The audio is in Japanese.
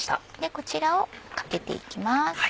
こちらをかけていきます。